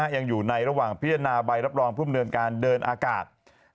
ยังอยู่ในระหว่างพิจารณาใบรับรองภูมิเนินการเดินอากาศ